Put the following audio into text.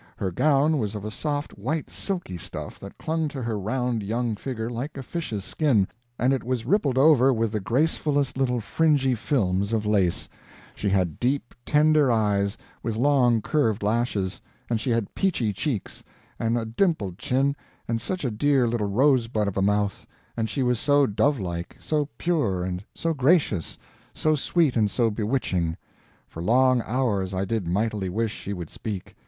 Her gown was of a soft white silky stuff that clung to her round young figure like a fish's skin, and it was rippled over with the gracefulest little fringy films of lace; she had deep, tender eyes, with long, curved lashes; and she had peachy cheeks, and a dimpled chin, and such a dear little rosebud of a mouth; and she was so dovelike, so pure, and so gracious, so sweet and so bewitching. For long hours I did mightily wish she would speak.